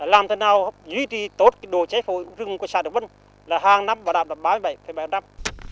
làm thế nào giữ tốt đồ chế phủ rừng của xã đồng vân là hàng năm và đạp là ba mươi bảy bảy năm